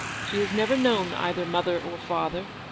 She has never known either mother or father.